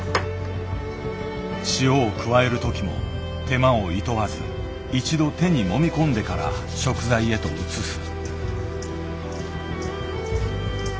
塩を加える時も手間をいとわず一度手にもみこんでから食材へと移す。